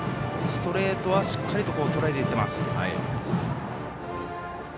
ストレートはしっかりととらえていっています。